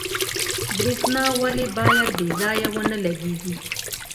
برښنا ولې باید بې ځایه ونه لګیږي؟